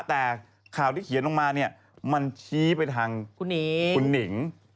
แต่ข่าวที่เขียนออกมาเนี่ยมันชี้ไปทางคุณหนิง